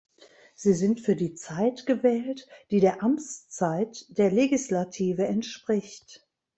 Sie sind für die Zeit gewählt, die der Amtszeit der Legislative entspricht.